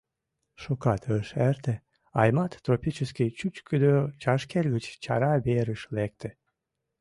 Шукат ыш эрте, Аймат тропический чӱчкыдӧ чашкер гыч чара верыш лекте.